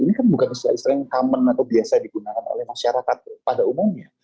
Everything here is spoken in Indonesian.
ini kan bukan istilah istilah yang common atau biasa digunakan oleh masyarakat pada umumnya